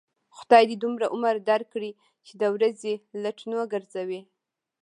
خدای دې دومره عمر در کړي، چې د ورځې لټن و گرځوې.